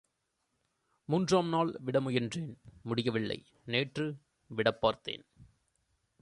மூன்றாம்நாள் விட முயன்றேன் முடிய வில்லை, நேற்று விடப்பார்த்தேன்.